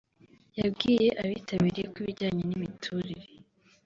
yabwiye abitabiriye ko ibijyanye n’imiturire